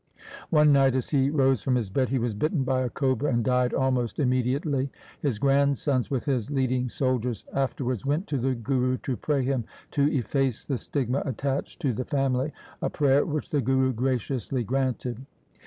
One night as he rose from his bed he was bitten by a cobra, and died almost immediately. His grandsons with his leading soldiers afterwards went to the Guru to pray him to efface the stigma attached to the family— a prayer which the Guru graciously granted.